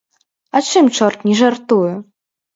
А чым чорт не жартуе!